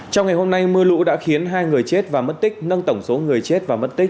trong ngày hôm nay mưa lũ đã khiến hai người chết và mất tích nâng tổng số người chết và mất tích